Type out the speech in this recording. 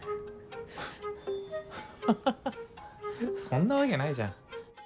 ハハハハそんなわけないじゃん。